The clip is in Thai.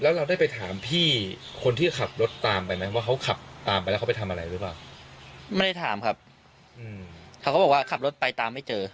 ขับตามไปแล้วเขาไปทำอะไรหรือเปล่าไม่ได้ถามครับเขาก็บอกว่าขับรถไปตามไม่เจอ